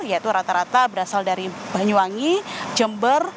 yaitu rata rata berasal dari banyuwangi jember